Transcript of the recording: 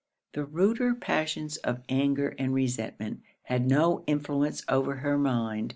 The ruder passions of anger and resentment had no influence over her mind.